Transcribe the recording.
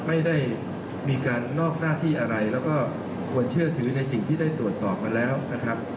ไม่ได้มีการนอกหน้าที่อะไรแล้วก็ควรเชื่อถือในสิ่งที่ได้ตรวจสอบมาแล้วนะครับ